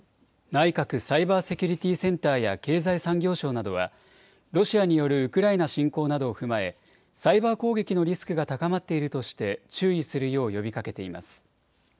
内閣サイバーセキュリティセンターや経済産業省などは、ロシアによるウクライナ侵攻などを踏まえ、サイバー攻撃のリスクが高まっているとして、注意するよう呼びかけています。